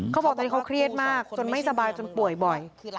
เขาบอกตอนนี้เขาเครียดมากจนไม่สบายจนป่วยบ่อย